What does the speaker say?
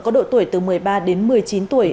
có độ tuổi từ một mươi ba đến một mươi chín tuổi